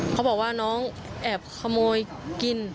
เขาบอกว่าน้องแอบขโมยกิน